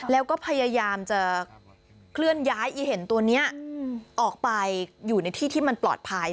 แล้วก็พยายามจะเคลื่อนย้ายอีเห็นตัวนี้ออกไปอยู่ในที่ที่มันปลอดภัย